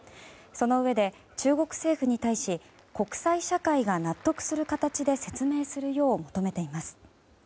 そのうえで、中国政府に対し国際社会が納得する形で説明するよう求めています。